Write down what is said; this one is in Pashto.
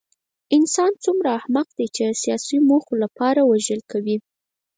انسان څومره احمق دی چې د سیاسي موخو لپاره وژل کوي